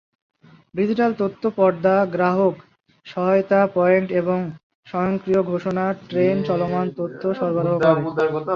Digital তথ্য পর্দা, গ্রাহক সহায়তা পয়েন্ট এবং স্বয়ংক্রিয় ঘোষণা ট্রেন চলমান তথ্য সরবরাহ করে।